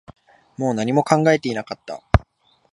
もう何も考えていなかった